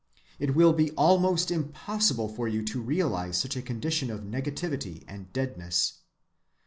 It will be almost impossible for you to realize such a condition of negativity and deadness.